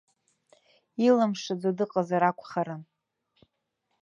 Илымшаӡо дыҟазар акәхарын.